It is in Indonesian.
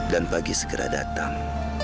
dan pagi segera datang